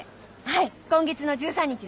今月の１３日です。